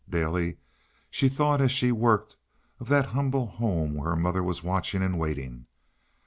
Daily she thought as she worked of that humble home where her mother was watching and waiting.